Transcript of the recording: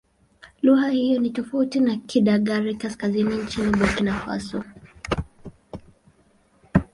Lugha hiyo ni tofauti na Kidagaare-Kaskazini nchini Burkina Faso.